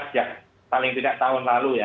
sejak paling tidak tahun lalu ya